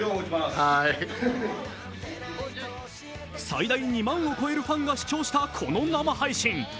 最大２万を超えるファンが視聴した、この生配信。